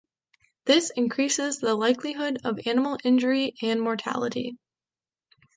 This increases the likelihood of animal injury and mortality.